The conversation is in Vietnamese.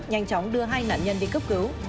nhanh chóng đưa hai nạn nhân đi cấp cứu